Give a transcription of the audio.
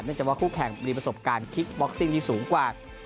จากว่าคู่แข่งมีประสบการณ์คิกบ็อกซิ่งที่สูงกว่า